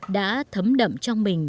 đã thấm đậm trong mình